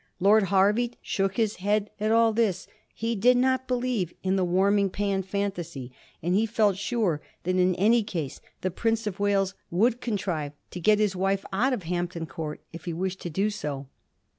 Lord Hervey shook his head at all this. He did not believe in the warming pan fantasy; and he felt sure that in any case the Prince of Wales would contrive to get his wife out of Hampton Court if he wished to do so.